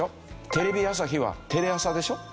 テレビ朝日はテレ朝でしょ。